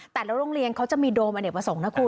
แต่ละโรงเรียนเขาจะมีโดมอเนกประสงค์นะคุณ